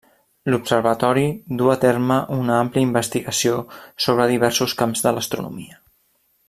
L'observatori du a terme una àmplia investigació sobre diversos camps de l'astronomia.